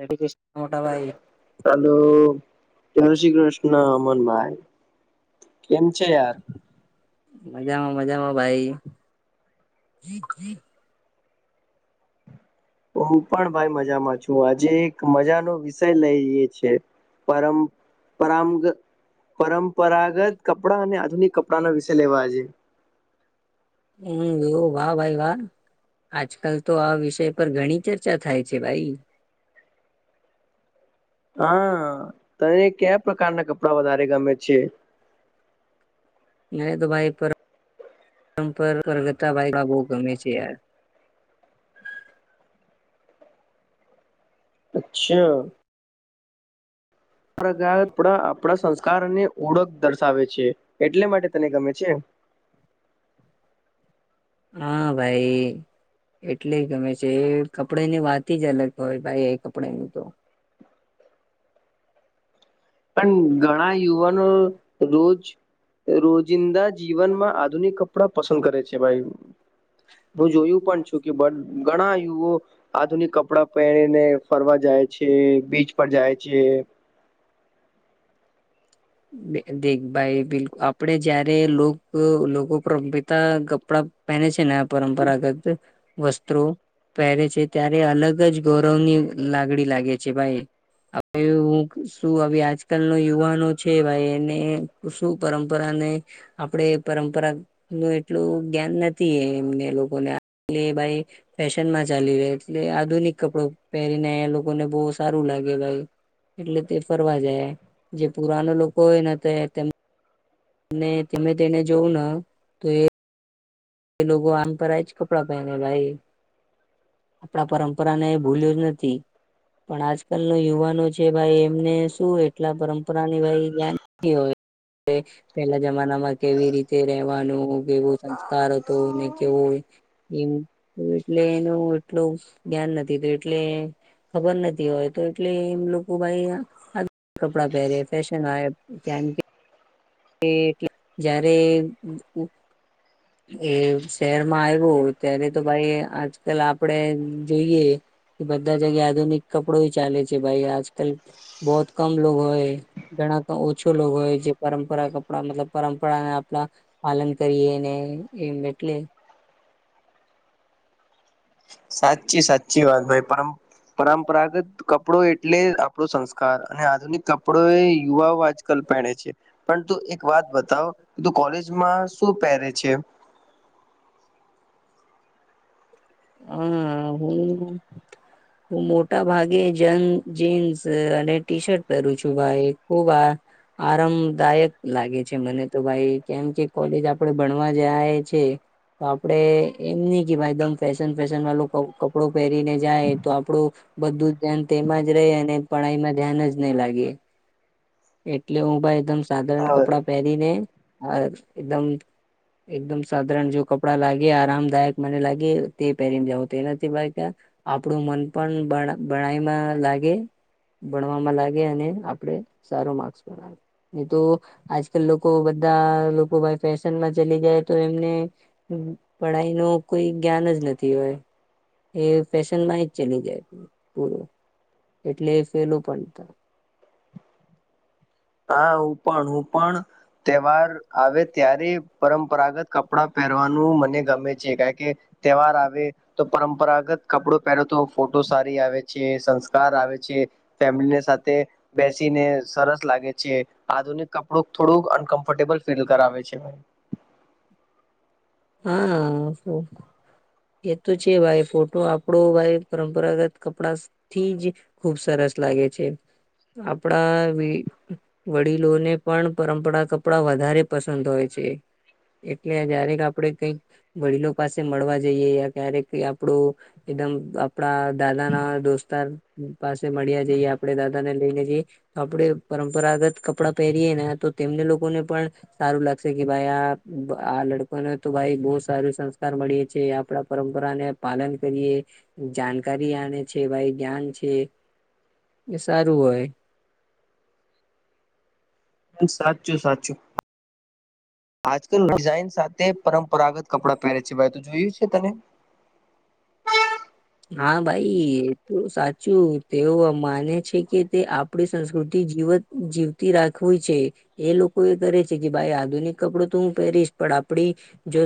એ કે હાલો તણુ શ્રી કૃષ્ણ અમનભાઈ કેમ એું છે યાર મજામાં મજામાં ભાઈ હું પણ ભાઈ મજામાં છું આજે એક મજાનોો વિષય લઈ છે પરંપરાંગ પરંપરાગત કપડા અને આધુનિક કપડાનો વિષય લેવા છે હમ એવું વા ભાઈ વા આજકાલ તો આ વિષય પર ઘણી ચર્ચા થાય છે ભાઈ [inaudible] હા તને કયા પ્રકારના કપડા વધારે ગમે છે મે તો ભાઈ પર પરંપરાગત વાઇવા બહુ ગમે છે યાર અચ્છા! આપણા ગા આપણા આપણા સંસ્કારની ઓળખ દર્શાવે છે. એટલે માટે તને ગમે છે. હા, ભાઈ. એટલે ગમે છે, એ કપડાની વાત જ અલગ હોય ભાઈ એ કપડાંની પણ ઘણા યુવાનો રોજ રોજિંદા જીવનમાં આધુનિક કપડાં પસંદ કરે છે, ભાઈ. હું જોયું પણ છું કે ઘણા યુવો આધુનિક કપડા પહેરીને ફરવા જાય. છે, બીચ પર જાય છે. દેખ ભાઈ બિલકુલ આપડે જયારે લોક લોકો પર પિત કપડા પહેને છે, ને આ પરંપરાગત વસ્ત્રો પહેરે છે, ત્યારે અલગ જ ગૌરવની લાગણી લાગે છે, ભાઈ. હવે હું શું હ આજકાલ નો યુવાનો છે, ભાઈ એને શું પરંપરા ને આપડે પરંપરા નું એટલું ધ્યાન નથી એ એમને લોકોને ભાઈ ફેશન માં ચાલી રહે એટલે આધુનિક કપડો પહેરીને આયા લોકોને બહુ સારું લાગે ભાઈ એટલે તે ફરવા જાય જે પુરાનો લોકો હોય ને તો તેમ અને તમે તેને જોઉં ને તો એ કે લોકો આમ પરાયચ કપડાં પહેરેલા એ આપણા પરંપરાને એ ભૂલ્યો નથી. પણ આજકાલનો યુવાનો છે, ભાઈ. એમને શું એટલા પરંપરાની ભાઈ જ્ઞાન નહી હોય. પેલા જમાનામાં કેવી રીતે રવાનું કેવું સંસ્કાર હતું ને કેવું ઈમ એટલે એનું એટલું ધ્યાન નથી. એ ખબર નથી હોય તો એટલે એમ લોકો ભાઈ કપડા પહેરે ફેશન આય ધ્યાન કે એટલે જયારે એ શહેરમાં આવ્યું ત્યારે તો ભાઈ આજ કલ આપડે જોઈએ. એ બધા જગ્યા આધુનિક કપડો ચાલે છે, ભાઈ આજકાલ બહોત કમ લોગ હોય. ઘણા તો ઓછો લોગ હોય જે પરંપરા કપડાં મતલબ પરંપરાને આપણા પાલન કરીએ ને એમ એટલે સાચી સાચી વાત ભાઈ પર પરંપરાગત કપડો એટલે આપ કપડો સંસ્કાર અને આધુનિક કપડો એ યુવાઓ આજકાલ પહેરે છે, પરંતુ એક વાત બતાવો તું કોલેજમાં શું પહેરે છે? હમમ હમમ હું હું મોટા ભાગે જન જીન્સ અને ટી શર્ટ પહેરું છું ભાઈ ખુબ આ આરામદાયક લાગે છે, મને તો ભાઈ કેમ કે કોલેજ આપણે ભણવા જાય છે. તો આપડે એમ નહી કે ભાઈ એકદમ ફેશન ફેશન વાળું કપ કપડો પહેરીને જાય તો આપડું બધું જ ધ્યાન તેમાં જ રહે અને ભણ પઢાઈમાં ધ્યાન જ નહી લાગે. એટલે હું ભાઈ એકદમ સાધારણ અ, કપડાં પહેરીને એકદમ એકદમ સાધારણ જો કપડા લાગે આરામદાયક મને લાગે તે પહેરીને જાવું તો એ નથી કે આપણું મન પણ ભણ ભણાઈ માં લાગે ભણવામાં લાગે અને આપડે સારો માર્ક્સ પણ આવે તો આજકાલ લોકો બધ બધા લોકો ભાઈ ફેશનમાં ચલી જાય તો એમને પઢાઈ નો કોઈ જ્ઞાન જ નથી. તે હોય એ ફેશનમાં જ ચલી જાય હમમ એટલે એ ફેલું પડતું હા હું પણ, હું પણ તહેવાર આવે ત્યારે પરંપરાગત કપડાં પહેરવાનું મને ગમે છે, કારણ કે તહેવાર આવે તો પરંપરાગત કપડો પેલા તો ફોટો સારી આવે છે સંસ્કાર આવે છે ફેમિલી સાથે બેસીને સરસ લાગે છે આધુનિક કપડું થોડુંક અનકમફર્ટેબલ ફીલ કરાવે છે હા એ તો છે ભાઈ ફોટો આપડો ભાઈ પરંપરાગત કપડા થી જ ખુબ સરસ લાગે છે આપડા વડીલોને પણ પરંપરા કપડા વધારે પસંદ હોય છે એટલે જ્યારે આપ કઈક વડીલો પાસે મળવા જઈએ ક્યારેક આપણું એકમ આપણા દાદા દાદા ના દોસ્તાર પાસે મળ્યા જઈએ આપણે દાદા ને લઈને જઈએ તો આપણે પરંપરાગત કપડાં પહેરીએે ને તો તેમને લોકોને પણ સારું લાગશે કે ભાઈ આ આ લડકોને તો ભાઈ બહ સારું સંસ્કાર મળીએ છે આપડા પરંપરાને પાલન કરીએ જાણકારી ભાઈ જ્યાન છે એ સારું હોય [unintelligible] સાચું સાચું [unintelligible] આજકાલ ડિઝાઇન સાથે પરંપરાગત કપડાં પહેરે છે ભાઈ તું જોયું છે તને હા હા ભાઈ એ તો સાચું તેઓ માને છે કે તે આપણી સંસ્કૃતિ જ જ જીવતી રાખું છે એ લોકો એ કરે છે કે ભાઈ આધુનિક કપડો તો હું પહેરીશ પણ આપ આપ જો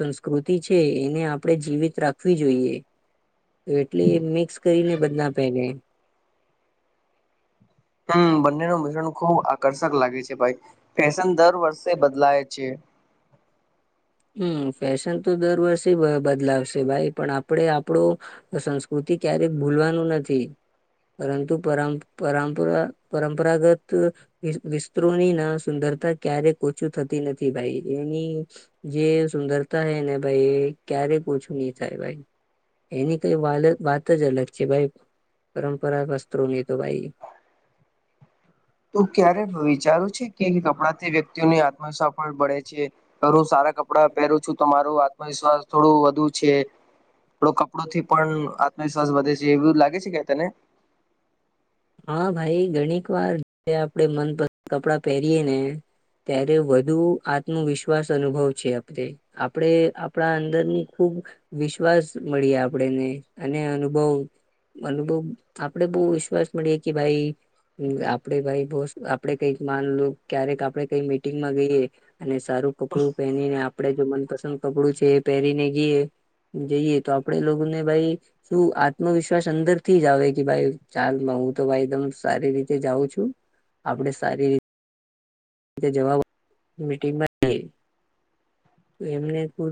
સંસ્કૃતિ છે એને આપણેે જીવિત રાખવી જોઈએ તો એટલે એ મિક્સ કરીને બદના પેલા હમ બંને ન મિશ્રણ ખુબ આકર્ષક લાગે છે ભાઈ ફશન દર વર્ષે બદલાય છે હમ ફેશન તો દર વર્ષે બદલાવશે ભાઈ પણ આપડે આપણો સંસ્કૃતિ થી ક્યારેક ભૂલવાનું નથી પરંતુ પરંપરાગત વિસ્તત્રોની ના સુંદર કરતા ક્યારે કોછું થતી નથી ભાઈ એની જે સુંદરતા હૈ ને ભાઈ ક્યારે પૂછું નહી થાય ભાઈ એની કઈ વાત જ અલગ છે ભાઈ પરંપરા વસ્ત્રોની તો ભાઈ [inaudible] તો ક્યારે વિચારું છે કે કપડાથી વ્યક્તિઓને આત્મ પડે છે અ હું સારા કપડા પહેરું છું તો મારરો આત્મવિશ્વાસ થોડું થડો કપડો થી પણ આત્મવિશ્વાસ વધે છે એવું લાગે છે ક તને હા ભાઈ ઘણીક વાર જે આપણે મનપસંદ કપડા પહેરીય ને ત્યારે વધુ આત્મવિશ્વાસ અનુભવ છે આપણે આપણે આપણા અંદરની ખૂબ વિશ્વાસ મળી આપણેને અને અનુભવ અનુ બ આપડે બહુ વિશ્વાસ મળીએ કે ભાઈ આપડે ભાઈ બ આપડે કઈક માનલું ક્યારેક આપડણે કઈ મીટિંગમાં ગઈએ અને સારું કપડું પહેરીને આપડે જો મનપસંદ કપડું છે એ પહેરીને ગઈએ જઈએ તો આપડે લોકોને ભાઈ શું આત્મવિશ્વાસ અંદર થી જ આવે કે ભાઈ ચાલ હું તો ભાઈદમ સારી રીતે જાઉં છું આપડે સારી રીતે જવા મીટંગમાં એમને ખ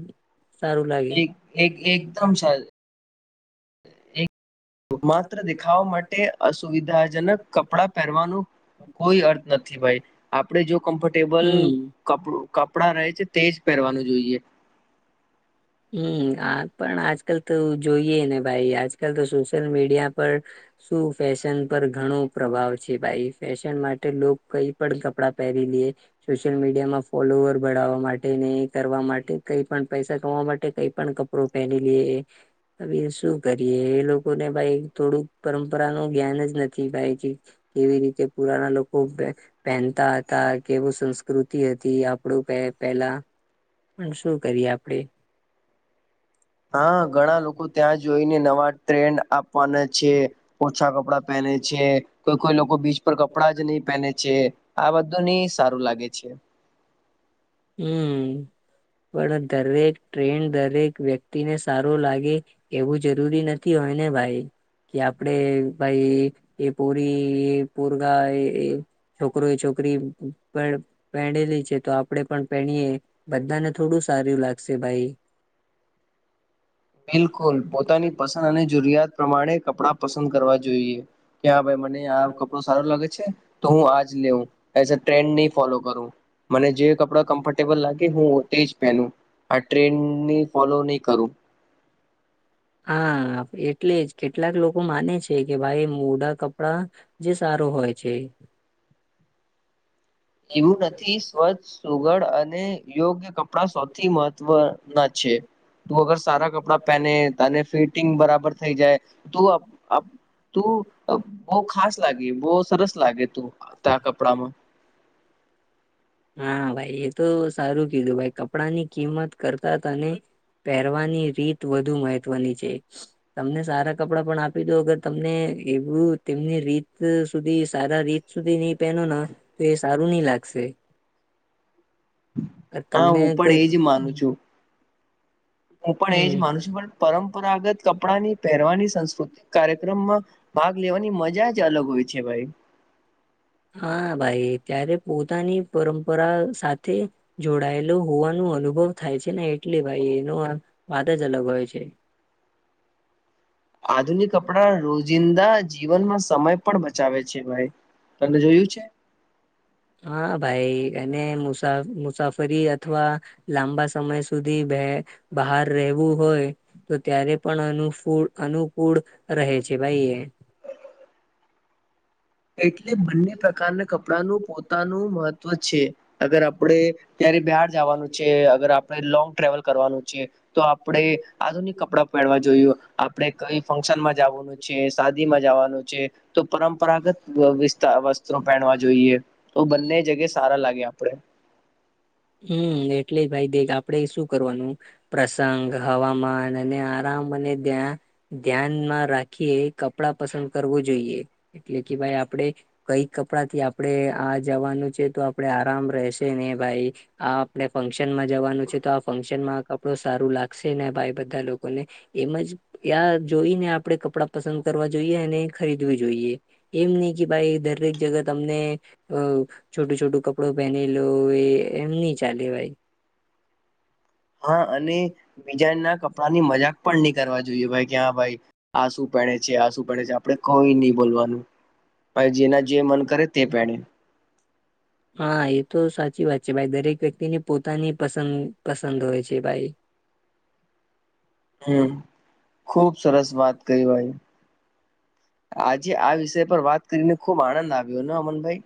સારું લાગે એક એક એકદમ સા માત્ર દેખાવવા માટે અસુવિધાજનક કપડાં પહેરવાનો કોઈ અર્થ નથી ભ આપે જો કમફટેબલડ હમ કપડા રહે છે તેજ પહેરવાનું જોઈએ હમ પણ આજકાલ તો જોઈએ ને ભાઈ આજકાલ તો સોશિયલ મીડિયા પર શું ફેશન પર ઘણો પ્રભાવ છે ભાઈ ફેશન માટે લોકો કઈ પણ કપડાં પહેરી સોયલ મીડિયામાં ફોલોવર ભવા માટે કરવા માટે કઈ પણ પૈસા કવા માટે કઈ પણ કપડો પહેરી લએ શું કરીએ એ લોકોને ભ થોડુંક પરંપરા નું જ્ઞાન જ નથી ભાઈ કેવી રીતે પુરાના લોકો પહેનતા હતા કેવું સંસ્કૃતિ હતી આપડું પેલા પણ શું કરીએ આપણેે હા ઘણા લોકો ત્યાં જોઈને નવા ટ્રેન્ડ પાને છે ઓછા કપડાં પહેને છે કોઈ કોઈ લોકો બીચ પર કપડાં જ નહીં પહેને છે આ બધું ની સારું લાગે છે હમ પણ દરેક ટ્રેન્ડ દરેક વ્યક્તિને સારું લાગે એવું જરૂરી નથી હો હને ભાઈ કે આપડે ભાઈ એ પરી પુરગા છોકરો એ છોક ોકરી પહેલી છે તો કપડે પણ પહેરીએ બધાને થોડું સારું લાગશે ભાઈ બિલકુલ પોતાની પસંદ અને જરૂરિયાત પ્રમાણે કપડાં પસંદ કરવા જોઈએ કે હા ભાઈ મને આ કપડો સારો લાગે છે તો હું આજ લેઉું એ ટ્રેન્ડ ન ફોલો કરું મને જે કપડાં કમ્ફર્ટેબલ લાગે હું તે જ પહેન આ ટ્રેન્ડ ની ફોલો નહી કરું હા એટલે જ કેટલાક લોકો માને છે કે ભાઈ મોઢા કપડા જે સારા છે એવું નથી સ્વચ્છ સુગડ અને યોગ્ય ક કડા સૌથી મહત્વના છે ત અગર સારા કપડાં પહેને તને ફિટિંગ બરાબર થઈ જાય તું તું બહુ ખાસ લાગી બહુ સરસ લાગે તું ત કપડામાં હા ભાઈ એ તો સારું કીધું ભાઈ કપડા ની કિંમત કરતા તને પહેરવાની રીત વધુ મહત્વની છે તમને સારા કપડાં પણ આપી દો અગર તમને એવું તેમની રીત સુધી સારા રીત સુધી નહી પહેનો ના તો એ સારું નહ લાગશે છે હા તમને હું પણ કઈક એજ માનું છું હું પણ એજ હમ માનું છું પણ પરંપરાગત કપડાની પહેરવાની સાસ્કૃતિક કાર્યક્રમમાં ભાગ લેવાની મજા જ અલગ હોય છે ભાઈ હા ભાઈ ત્યારે પોતાની પરંપરા સાથે જોડાયેલો હોવાનું અનુભવ થાય છે ને એટલે ભાઈ એનો વાત જ અલગ હોય છે આધુનિક કપડા રોજિંદા જીવનમાં સમય પણ બચાવે છે ભાઈ તને જોયું છે હા ભાઈ એને મુસા મુસાફરી અથવા લાંબા સમય સુધી બહાર રહેવું હોય તો ત્યારે પણ અનૂ અનુકૂળ રહે છે કે ભાઈ એ એટલે બંને પ્રકારના કપ આપણાનું પોતાનું મહત્વ છે અગર આપડે ત્યારે બહાર જવાનું છે અગર આપણે લોંગ ટ્રાવલ કરવાનું છે તો આપડણે આધુનિક કપડાં પહેરવા જોઈું આપણે કઈ ફંક્શન માં જવાનું છે શાદી માં જવાનું છે તો પરંપરાગત વિસ્ વસ્ત્રો પહેનવા જોઈએ તો બંને જગ્યા સારા લાગે આપણેે હમ એટલે જ ભાઈ દે આપડે શું કરવાનું પ્રસંગ હવામાન અને આરામ ્યા ધ્યાનમાં રાખી કપડા પસંદ કરવું જોઈએ એટલે કે ભાઈ આપે કઈક કપડા થી આપણેે આ જવાનું છે તો આપડે આરામ રશે ને ભાઈ આ આપણે ફંક્શનમાં જવાનું છે તો આ ફંક્શનમાં આ કપડો સારું લાગશે ને ભાઈ બધા લોકોને એમજ આ જોઈને આપડે કપડાં પસંદ કરવા જોઈએ અને ખરીદવી જોઈએ એમ નહી ભાઈ દરેક જગા તમને છોટું છોટું કપડું પહેની લો એ એમ નહ ચાલે ભાઈ હા, અને બીજા ના કપડા ની મજાક પણ નહીં કરવા જોઈએ ભાઈ. કે, હા ભાઈ, આ શું? છે, આ શું પહેરે છે? આપડે કંઈ નહીં બોલવાનું. ભાઈ, જેના જે મન કરે ને, તે પહરે. હા, એ તો સાચી વાત છે ભાઈ. દરેક વ્યક્તિને પોતાની પસંદ પસંદ હોય છે ભાઈ. [unintelligible] હમ, ખુબ સરસ વાત કહીં ભાઈ. આજે આ વિષય પર વાત કરીને ખુબ આનંદ આવ્યો ને, અમનભાઈ?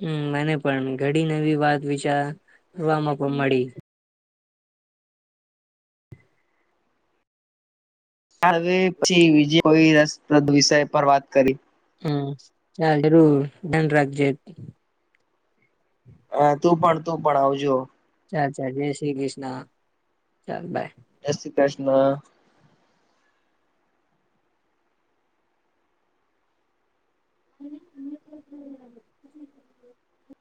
હમ, મને પણ ઘડી નવી વાત વિચારવામાં પણ મળી. હવે પછી બીજ કોઈ રસપ્રદ વિષય પર વાત કરી. હમ, ચાલ જરૂર ધ્યાન રાખજે. હ, તું પણ, તું પણ આવજો. ચાલ, ચાલ. જય શ્રી કૃષ્ણ. ચાલ, બાય. જય શ્રી કૃષ્ણ. [unintelligible]